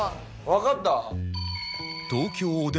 わかった？